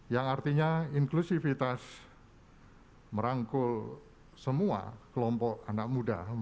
yang artinya inklusivitas merangkul semua kelompok anak muda